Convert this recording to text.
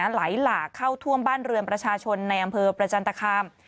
ไหลหลากเข้าท่วมบ้านเรือนประชาชนในอำเภอประจันตคาม